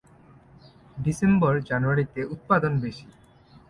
ডিসেম্বর-জানুয়ারিতে উৎপাদন বেশি।